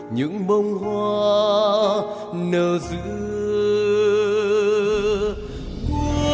những bông hoa nở giữa cuộc đời